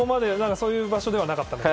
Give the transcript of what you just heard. そういう場所ではなかったです。